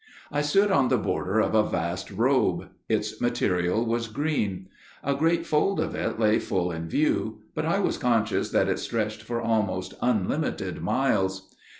"I stood on the border of a vast robe; its material was green. A great fold of it lay full in view, but I was conscious that it stretched for almost unlimited miles.